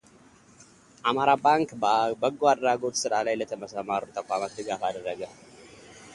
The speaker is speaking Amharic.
አማራ ባንክ በበጎ አድራጎት ስራ ላይ ለተሰማሩ ተቋማት ድጋፍ አደረገ።